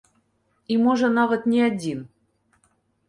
І можа, нават, не адзін.